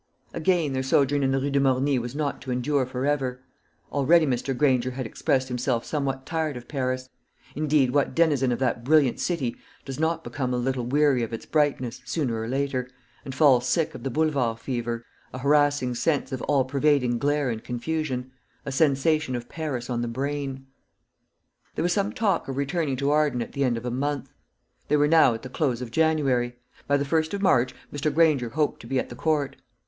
Again, their sojourn in the Rue de Morny was not to endure for ever. Already Mr. Granger had expressed himself somewhat tired of Paris; indeed, what denizen of that brilliant city does not become a little weary of its brightness, sooner or later, and fall sick of the Boulevard fever a harassing sense of all pervading glare and confusion, a sensation of Paris on the brain? There was some talk of returning to Arden at the end of a month. They were now at the close of January; by the first of March Mr. Granger hoped to be at the Court.